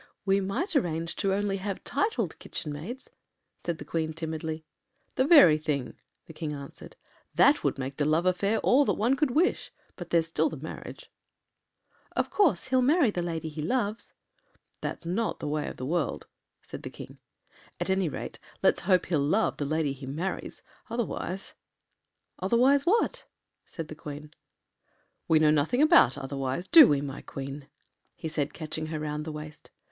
“We might arrange only to have titled kitchen maids,” said the Queen timidly. “The very thing,” the King answered: “that would make the love affair all that one could wish. But there’s still the marriage.” “Of course he’ll marry the lady he loves.” “It’s not the way of the world,” said the King. “At any rate, let’s hope he’ll love the lady he marries. Otherwise——” “Otherwise what?” said the Queen. “We know nothing about otherwise, do we, my Queen?” he said, catching her round the waist.